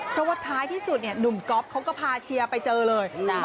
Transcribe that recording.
เพราะว่าท้ายที่สุดเนี่ยหนุ่มก๊อฟเขาก็พาเชียร์ไปเจอเลย